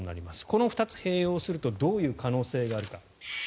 この２つ併用するとどういう可能性があるか。